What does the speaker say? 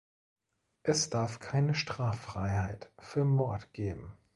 Es darf keine Straffreiheit für Mord geben.